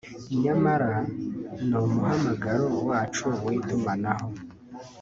nyamara ni umuhamagaro wacu w’itumanaho